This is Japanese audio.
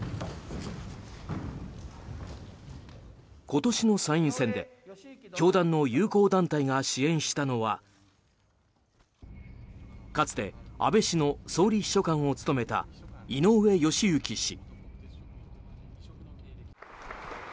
今年の参院選で教団の友好団体が支援したのはかつて安倍氏の総理秘書官を務めた井上義行氏。